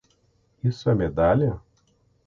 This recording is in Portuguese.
Isso é medalha?